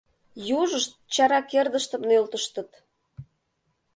Южышт чара кердыштым нӧлтыштыт.